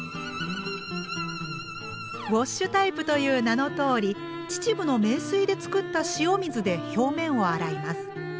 ウォッシュタイプという名のとおり秩父の名水で作った塩水で表面を洗います。